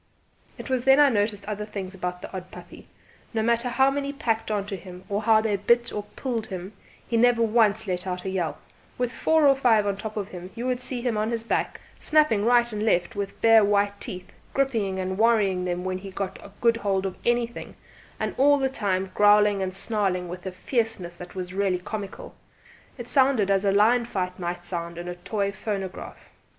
It was then that I noticed other things about the odd puppy: no matter how many packed on to him, or how they bit or pulled him, he never once let out a yelp; with four or five on top of him you would see him on his back, snapping right and left with bare white teeth, gripping and worrying them when he got a good hold of anything, and all the time growling and snarling with a fierceness that was really comical. It sounded as a lion fight might sound in a toy phonograph.